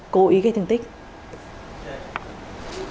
cố ý gây thương tích